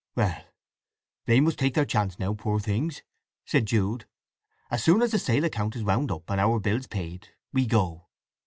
"Well, they must take their chance, now, poor things," said Jude. "As soon as the sale account is wound up, and our bills paid, we go."